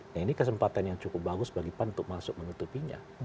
nah ini kesempatan yang cukup bagus bagi pan untuk masuk menutupinya